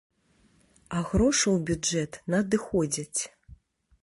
А грошы ў бюджэт надыходзяць.